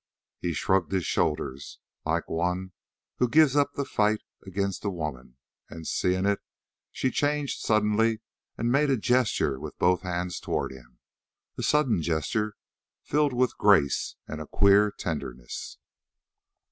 He shrugged his shoulders like one who gives up the fight against a woman, and seeing it, she changed suddenly and made a gesture with both hands toward him, a sudden gesture filled with grace and a queer tenderness.